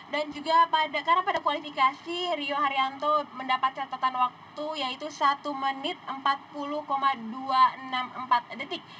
dan juga karena pada kualifikasi rio haryanto mendapat catatan waktu yaitu satu menit empat puluh dua ratus enam puluh empat detik